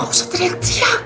gak usah teriak teriak